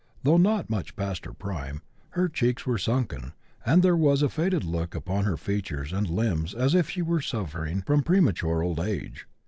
Though not much past her prime, her cheeks were sunken, and there was a faded look upon her features and limbs as if she was suffering from premature old age.